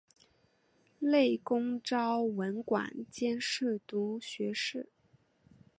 累官昭文馆兼侍读学士。